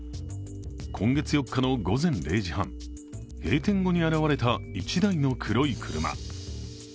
今月４日の午前０時半、閉店後に現れた一台の黒い車。